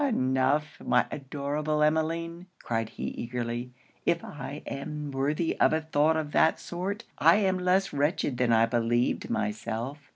'Enough, my adorable Emmeline!' cried he eagerly, 'if I am worthy of a thought of that sort, I am less wretched than I believed myself.